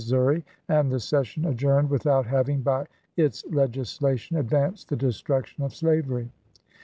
souri, and the session adjourned without having by its legislation advanced the destruction of slavery.